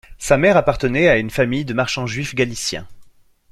Sa mère appartenait à une famille de marchands juifs galiciens.